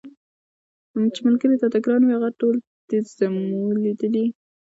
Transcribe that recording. چي ملګري تاته ګران وه هغه ټول دي زمولېدلي